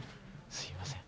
すみません。